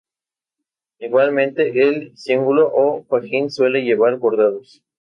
Igualmente el cíngulo o fajín suele llevar bordados.